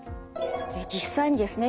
実際にですね